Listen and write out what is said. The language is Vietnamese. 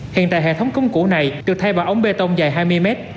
hiện tại hệ thống cống củ này được thay bỏ ống bê tông dài hai mươi m